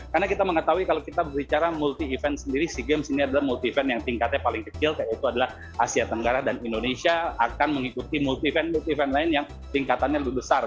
karena kita mengetahui kalau kita berbicara multi event sendiri si game ini adalah multi event yang tingkatnya paling kecil yaitu adalah asia tenggara dan indonesia akan mengikuti multi event multi event lain yang tingkatannya lebih besar